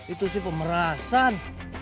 itu sih pemerasan